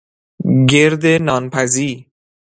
گرد نان پزی